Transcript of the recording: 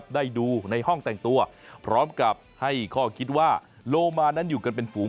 ได้ดูในห้องแต่งตัวพร้อมกับให้ข้อคิดว่าโลมานั้นอยู่กันเป็นฝูง